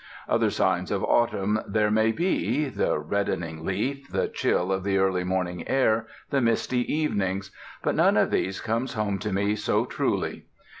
Other signs of autumn there may be the reddening leaf, the chill in the early morning air, the misty evenings but none of these comes home to me so truly.